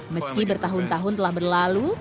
meski bertahun tahun telah berlalu